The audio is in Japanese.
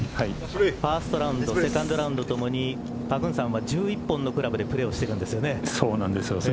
ファーストラウンドセカンドラウンドともにパグンサンは１１本のクラブでプレーをしているんですよね。